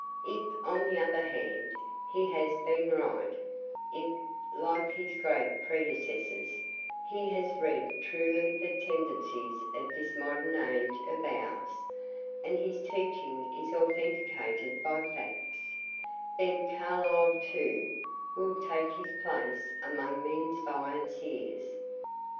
If, on the other hand, he has been right; if, like his great predecessors, he has read truly the tendencies of this modern age of ours, and his teaching is authenticated by facts, then Carlyle, too, will take his place among the inspired seers.